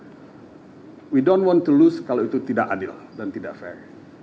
kita tidak ingin menang kalau itu tidak adil dan tidak adil